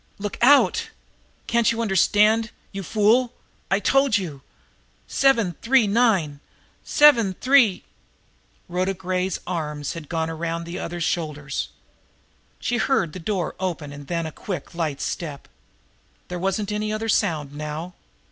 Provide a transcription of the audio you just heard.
"Look out! Can't you understand, you fool! I've told you! Seven three nine! Seven three..." Rhoda Gray's arms had gone around the other's shoulders. She heard the door open and then a quick, light step. There wasn't any other sound now.